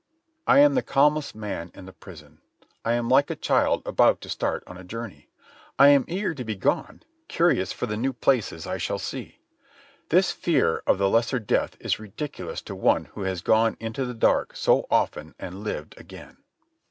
... I am the calmest man in the prison. I am like a child about to start on a journey. I am eager to be gone, curious for the new places I shall see. This fear of the lesser death is ridiculous to one who has gone into the dark so often and lived again.